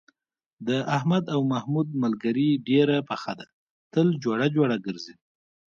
د احمد او محمود ملگري ډېره پخه ده، تل جوړه جوړه گرځي.